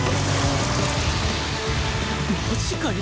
マジかよ